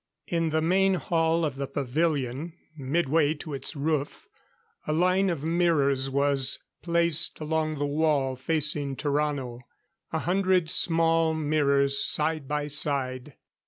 In the main hall of the pavilion, midway to its roof, a line of mirrors was placed along the wall facing Tarrano. A hundred small mirrors, side by side.